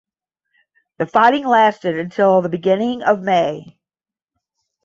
The fighting lasted until the beginning of May.